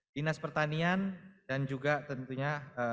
dinas pertanian dan juga tentunya